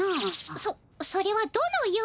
そそれはどのような？